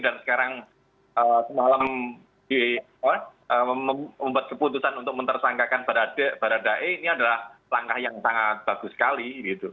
jadi semalam di eiso membuat keputusan untuk mentersangkakan barat dae ini adalah langkah yang sangat bagus sekali